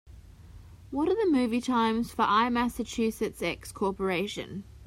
what are the movie times for IMassachusettsX Corporation